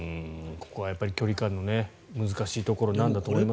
ここは距離感の難しいところなんだと思いますが。